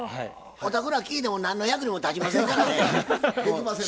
お宅ら聞いても何の役にも立ちませんからね。